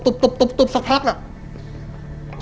ตุบตุบตุบตุบสักพักเนี่ย